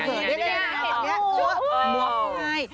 นี่ไงนี่ไงว้าว